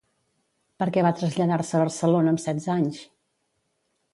Per què va traslladar-se a Barcelona amb setze anys?